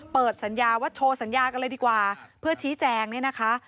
เปิดสัญญาว่าโชว์สัญญากันเลยดีกว่าเพื่อชี้แจงเนี่ยนะคะ